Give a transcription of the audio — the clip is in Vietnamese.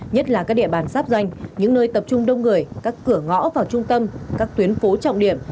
nhất là các địa bàn sắp danh những nơi tập trung đông người các cửa ngõ vào trung tâm các tuyến phố trọng điểm